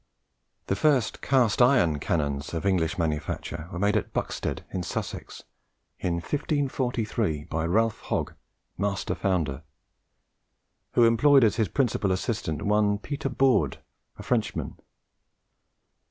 The first cast iron cannons of English manufacture were made at Buxtead, in Sussex, in 1543, by Ralph Hogge, master founder, who employed as his principal assistant one Peter Baude, a Frenchman.